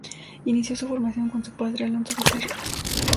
Inició su formación con su padre, Alonso Becerra.